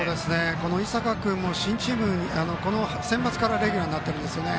井坂君もこのセンバツからレギュラーになっているんですね。